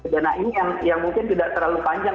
karena ini yang mungkin tidak terlalu panjang